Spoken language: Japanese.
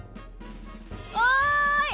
おい！